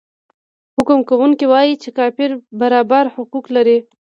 حکم کوونکی وايي چې کافر برابر حقوق نلري.